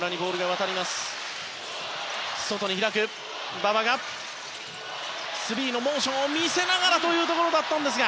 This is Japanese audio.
馬場がスリーのモーションを見せながらというとっころ